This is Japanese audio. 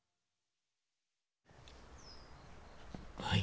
はい。